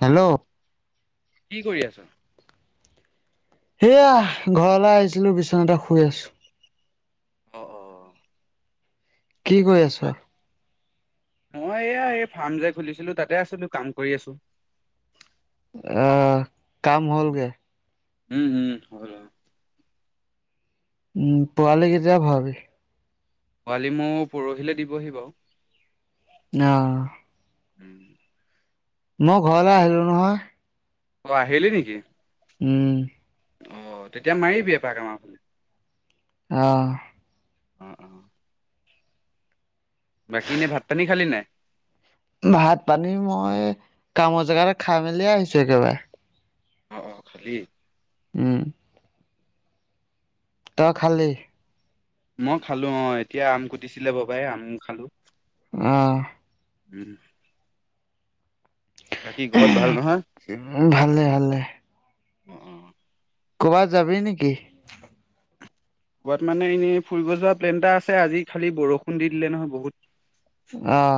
Hello কি কৰি আছ? সেয়া ঘৰলৈ আহিছিলো বিচনা এটা শুই আছোঁ অ অ কি কৰি আছ? মই এয়া এই ফাৰ্ম যে খুলিছিলো তাতে আছিলো কাম কৰি আছো। আহ কাম হ'লগে উম উম হল হল উম পোৱালি কেতিয়া ভৰাবি। পোৱালিমো পৰহিলে দিবহি বাও নাহ উম মহ ঘৰলৈ আহিলো নহয়। অ আহিলি নেকি? উম অ তেতিয়া মাৰিবি এপাক কমাৰ ফালে আহ অ অ বাকী এনে ভাত পানী খালি নাই? ভাত পানী মই কামৰ জেগাতে খাই মেলি আহিছো একেবাৰে অ অ খালি উম তই খালি? মই খালো অ এতিয়া আম কুটিছিলে ববাই আমো খালো। আহ [inaudible] বাকী ঘৰত ভাল নহয়? ভালে ভালে অ অ। ক'ৰবাত যাবি নেকি? ক'ৰবাত মানে এনেই ফুৰিব যোৱা প্লেন এটা আছে আজি খালি বৰষুণ দি দিলে নহয় বহুত অহ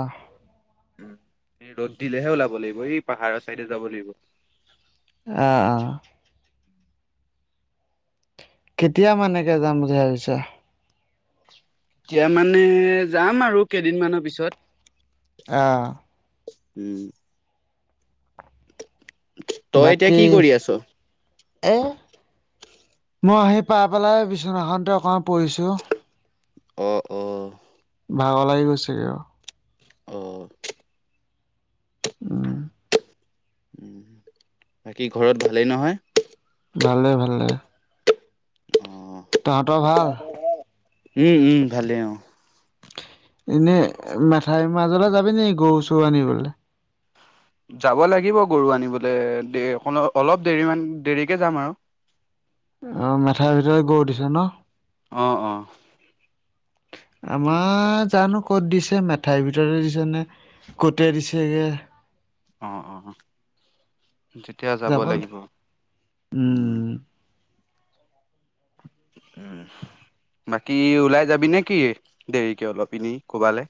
উ ৰ'দ দিলেহে ওলাব লাগিব এই পাহাৰৰ চাইডে যাব লাগিব অ অ কেতিয়া মানেকে যাম বুলি ভাবিছা এতিয়া মানে যাম আৰু কেইদিনমানৰ পিছত অ উম তই এতিয়া বাকী কি কৰি আছ? এ মই আহি পাই পেলাই বিচনাখনতে অকণমান পৰিছোঁ অ', অ', ভাগৰ লাগি গৈছেগে অ আহ উমম উ বাকী ঘৰত ভালেই নহয় ভালে ভালে অ তাহাঁতৰ ভাল উম উম ভালে অ এনে মেথাই মাজলৈ যাবি নেকি গৰু চৰু আনিবলে যাব লাগিব গৰু আনিবল দে অ অলপ দেৰি মান দেৰিকে যাম আৰু অ মেথাই ভিতৰত গৰু দিছ‌ ন অঁ অঁ আমাৰ জানো ক'ত দিছে মেঠাইৰ ভিতৰতে দিছে নে কতে দিছেগে অ অ যেতিয়া যাব যাবলে লাগিব উম উ বাকী ওলাই যাবি নে কি দেৰিকে অলপ এনে কবালে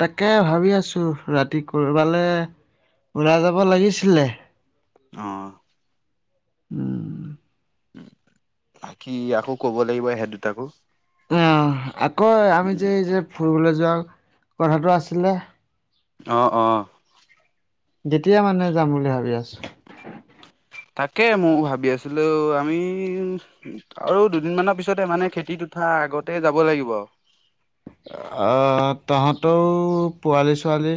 তাকে ভাবি আছো ৰাতি কবালে ওলাই যাব লাগিছিলে অঁ উম উ বাকি আকৌ কব লাগিব সেই দুটাকো অ আকৌ আমি যে এই যে ফুৰিবলৈ যোৱাও কথাটো আছিলে অ অ যেতিয়া মানে যাম বুলি ভাবি আছা তাকে মোৱো ভাবি আছিলো আমি আৰু দুদিন মানৰ পিছতে মানে খেতিত উঠা আগতে যাব লাগিব আৰু অ হ তহতও পোৱালি ছোৱালী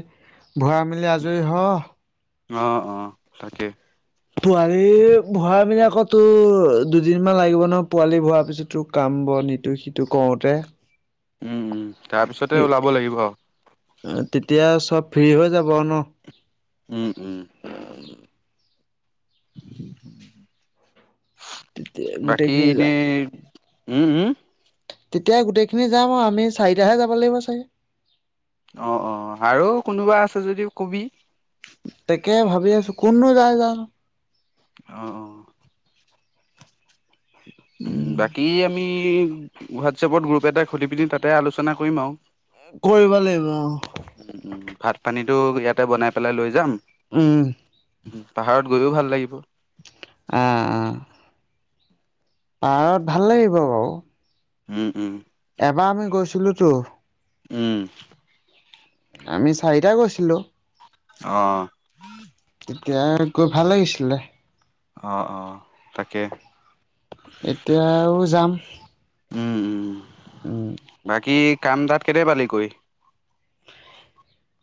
ভৰাই মেলি আজৰি হ অ অ তাকে পোৱালি ভৰাই মানি আকৌ তো দুদিনমান লাগিব ন পোৱালি ভৰা পিছত তোৰ কাম বন ইতো সিটো কৰোতে উম উম তাৰ পিছতে ওলাব লাগিব তেতিয়া চব ফ্ৰী হৈ যাব ন? উম উম। তেতিয়া বাকী, গোটেইখিনি যাম। এনেই। উম উম। তেতিয়া গোটেইখিনি যাম আৰু, আমি চাৰিটাহে যাব লাগিব চাগে! অ' অ'। আৰু কোনোবা আছে যদি কবি! তাকে ভাবি আছো, কোননো যায় জানো? অ' অ'। উম বাকী আমি হোৱাটছএপত গ্ৰুপ এটা খুলি পিনি তাতে আলোচনা কৰিম আৰু! কৰিব লাগিব অ'। এইটো ইয়াতে বনাই পেলাই লৈ যাম। উম। পাহাৰত গৈও ভাল লাগিব। অ' অ'। পাহাৰত ভাল লাগিব বাৰু! উম উম। এবাৰ আমি গৈছিলোতো। উম। আমি চাৰিটা গৈছিলোঁ। অ'। তেতিয়া গৈ ভাল লাগিছিলে। অ' অ' তাকে! এতিয়াও যাম। উম উম। উম বাকী? কাম তাত কেতিয়া পালিগৈ?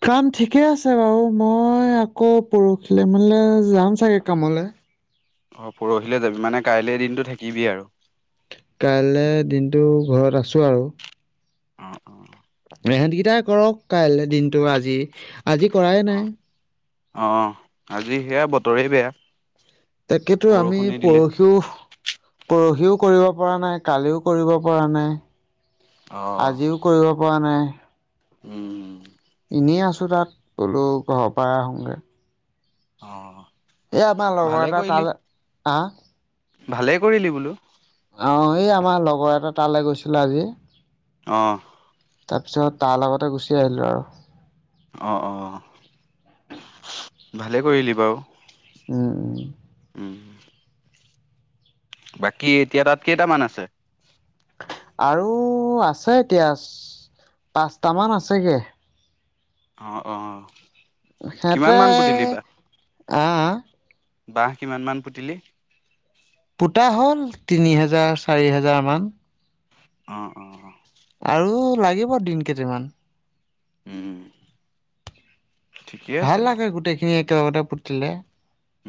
কাম ঠিকে আছে বাৰু, মই আকৌ পৰহিলৈ মানে যাম চাগে কামলৈ! অ' পৰহিলৈ যাবি? মানে কাইলে দিনটো থাকিবি আৰু। কাইলে দিনটো ঘৰত আছোঁ আৰু। অ' অ'। সিহেঁতকেইটাই কৰক কাইলৈ দিনটো, আজি কৰাই নাই অ' অ', আজি সেয়া বত বতৰেই বেয়া। তাকেতো, আমি বৰষুণে দিলে পৰহিও, পৰহিও কৰিব পৰা নাই, কালিও কৰিব পৰা নাই। অ আজিও কৰিব পৰা নাই। উম। নিয়ে আছোঁ তা'ত বোলো ঘৰৰ পৰা আহো গৈ। অঁ এ' আমাৰ লগৰ এটা তাৰ-লৈ হাঁ ভালেই কৰিলি বোলো। অঁ এই আমাৰ লগৰ এটা তালৈ গৈছিলে আজি। অঁহ তাৰপিছত তাৰ লগতে গুচি আহিলো আৰু। অঁ অঁ ভালেই কৰিলি বাৰু। উম' উম। উম। বাকী এতিয়া তা'ত কেইটামান আছে। আৰু আছে এতিয়া পাঁচটামান আছেগে। অঁ অঁ। সেতে- অঁ বাঁহ কিমান মান পুতিলি? পোতা হ'ল তিনি হেজাৰ, চাৰি হেজাৰ মান। অঁ অঁ অঁ আৰু লাগিব দিন কেইটা মান। উম ঠিকেই ভাল আছে লাগে গোটেইখিনি একে- [unintelligible]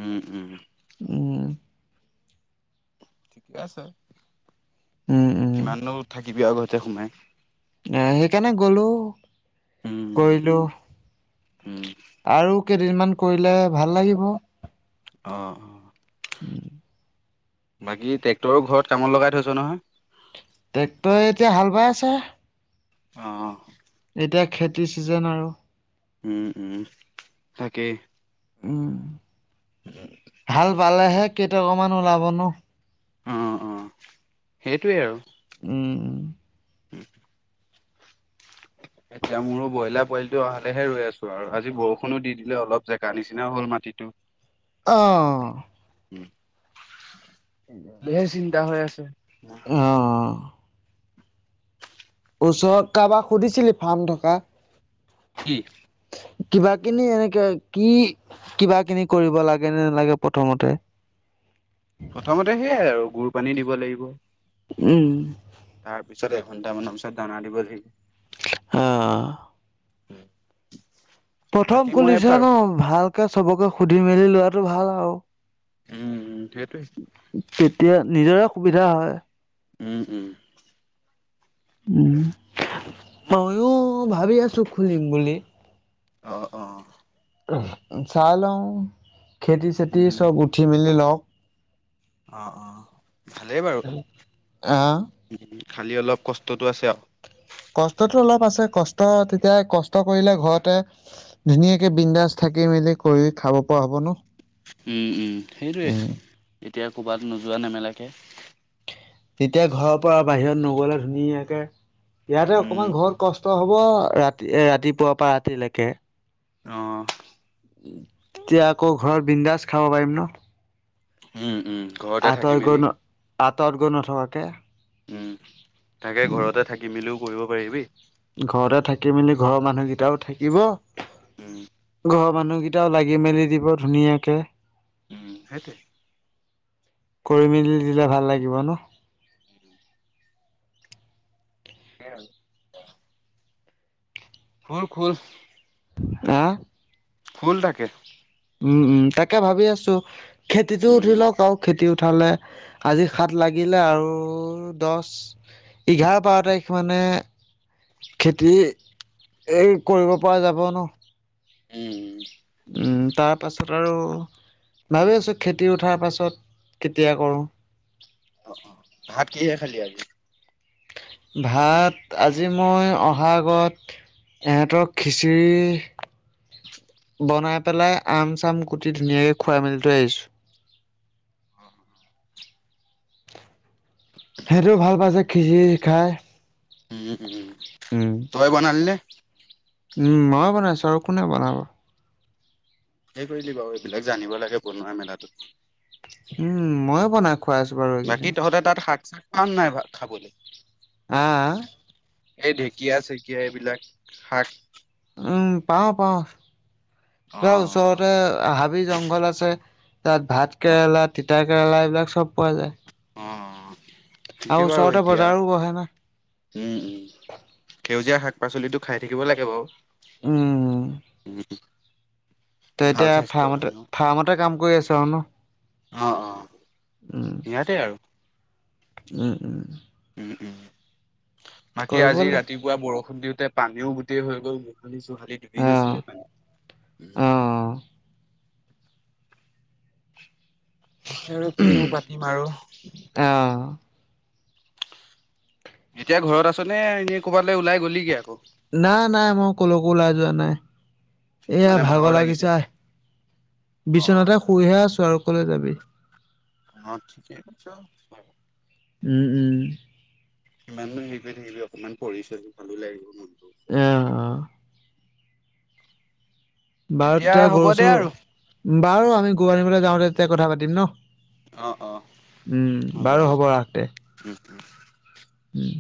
উম উম উম। ঠিকে আছে। উম উম কিমানো থাকিবি ঘৰতে- সোমাই। আঁহ সেইকাৰণে গ'লো। উম কৰিলো। উম, আৰু- কেইদিনমান কৰিলে ভাল লাগিব। অঁহ বাকী ট্ৰেক্টৰো ঘৰত কামত লগাই থৈছ নহয়? ট্ৰেক্টৰে এতিয়া হা'ল বাই আছে। অঁ এতিয়া খেতিৰ চিজেন আৰু। উম' উম'তাকেই। উম' হা'ল বালেহে কেইটামান- ওলাব ন। অঁ অঁ সেইটোৱেই আৰু। উম' উম' উম' এতিয়া মোৰো ব্ৰইলাৰ পোৱালিটো অহালে হে ৰৈ আছো আৰু। আজি বৰষুণো দি দিলে অলপ জেগা নিচিনাও হ'ল মাটিটো। আঁহ উম। দেছি দিগ দা হৈ আছে। উ অ', ওচৰত কাৰোবাক সুধিছিলি ফাৰ্ম থকা কি? কিবা কিনি এনেকে কি কিবা কিনি কৰিব লাগে নে নালাগে প্ৰথমতে। প্ৰথমতে সেইয়াই আৰু গুৰ পানী দিব লাগিব। উম। তাৰ পিছত এঘণ্টা মানৰ পিছত দানা দিব লাগিব। আহ প্ৰথম বাকী মই এ খুলিছ ফাৰ ন ভালকে চবকে সুধি মেলি লোৱাটো ভাল আও। উম, উম, সেইটোৱে তেতিয়া নিজৰে সুবিধা হয়। উম, উম। উম। মইয়ো ভাবি আছো খুলিম বুলি। অ, অ। চাইলং খেতি-চেতি উম, চব উঠি মেলি লও [unintelligible] অ, অ ভালেই বাৰু। আহ। খালী অলপ কষ্টটো আছে আও। কষ্টটো অলপ আছে। কষ্ট তেতিয়া কষ্ট কৰিলে ঘৰতে ধুনীয়াকে বিন্দাজ থাকি মেলি কৰি খাব পৰা হব ন। উম, উম। সেইটোৱে উম, এতিয়া কবাত নোযোৱা নেমেলাকে তেতিয়া ঘৰৰ পৰা বাহিৰত নগলে ধুনীয়াকে ইয়াতে উম অকমান ঘৰত কষ্ট হ ৰাতি ৰাতিপুৱাৰ পৰা ৰাতিলেকে অহ। তেতিয়া আকৌ ঘৰত বিন্দাজ খাব পাৰিম ন? হুম। ও ঘৰতে থাকি আঁতৰত গৈ মেলি ন আঁতৰত গৈ নথকাকে উম। তাকে ঘৰতে থাকি মেলিও পঢ়িব পাৰিবি। ঘৰতে থাকি মেলি ঘৰৰ মানুহকেইটাও থাকিব উম। ঘৰৰ মানুহকেইটাও লাগি মেলি দিব ধুনীয়াকে উম, সেইটোৱে কৰি মেলি দিলে ভাল লাগিব ন সেয়াই আৰু খ [unintelligible] অহ খুল থাকে উম উম তাকে ভাবি আছোঁ খেতিতো উঠি উম, লওক খেতিটো পঠালে আজি সাত লাগিলে আৰু দহ এঘাৰ বাৰ তাৰিখ মানে খেতি এই কৰিব পৰা যাব ন উম উম তাৰ পাছত আৰু ভাবি আছোঁ খেতি উঠাৰ পাছত কেতিয়া কৰোঁ অ অ ভাত কিহে খালি আজি ভাত আজি মই অহা আগত ইহঁতক খিচিৰি বনাই পেলাই আম চাম কুটি ধুনীয়াকে খুৱাই মেলি থৈ আহিছোঁ অ অ সেইটোৱেই ভাল পাইছে খিচিৰি খাই উম, উম, উম তই [unintelligible] উম মইও বনাইছো আৰু কোনে বনাব সেই কৰিলি বাৰু এইবিলাক জানিব লাগে বনোৱা মেলাটো উম ময়ো বনাই খুৱাই আছো বাৰু এইকেইদিন পাম নাই ভাত খাবলৈ অহ আহ এই ঢেঁকীয়া চেকীয়া এইবিলাক শাক উম পাওঁ পাওঁ তই অ', ওচৰতে আহ জংঘল আছে তাত ভাত অ', কেৰেলা তিতা কেৰেলা এইবিলাক চব পোৱা যায় অ আৰু ঠিকেই বাৰু ওচৰতে এতিয়া বজাৰো বহে না উম উম সেউজীয়া শাক পাচলিটো খাই থাকিব লাগে বাৰু উম তই ভাল এতিয়া স্বাস্থ্যৰ ফাৰ্মতে কাৰণেও ফাৰ্মতে কাম কৰি আছ আৰু ন অ অ উম সিহঁতেই আৰু উম উম উম উম বাকী কৰিব আজি লাগে ৰাতিপুৱা বৰষুণ দিওঁ তাতে পানীও গোটেই হৈ গ'ল খালিছো শালী ডুবি আহ গৈছিলে পানীত আহ তাকে আৰু কিনিও পাতিম আৰু। আহ এতিয়া ঘৰত আছ নে এনেই ক'ৰবালৈ ওলাই গ'লিগে আকৌ নাই নাই মই কলৈকো ওলাই যোৱা নাই এয়া মানে ভাগৰ লাগিছে লাগিছা আহ অ অ বিচনাতে শুইহে আছো আৰু অকলে যাবি অ ঠিকেই আছ ওম ওম ইমানো হেৰি কৰি থাকিবি অকনমান পঢ়ি চলি ভালো লাগিব মন। আহ বাৰু তেতিয়া হ'ব গৰু দে আৰু চৰু বাৰু আমি গ আনিবলৈ যাওঁতে তেতিয়া কথা পাতিম অ অ ন উম বাৰু হ'ব ৰাস দে অ উম।